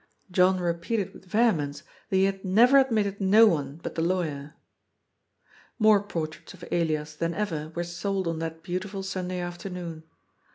John repeated with vehemence, that he had " never admitted no one but the lawyer." More portraits of Elias than ever were sold on that beautiful Sunday afternoon.